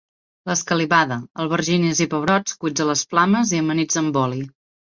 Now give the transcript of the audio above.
L'escalivada albergínies i pebrots cuits a les flames i amanits amb oli.